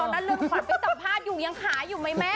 ทำไมไปสัมภาษณ์อยู่ยังขายอย่กมั้ยแม่